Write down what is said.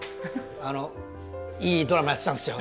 いいドラマやってたんですよ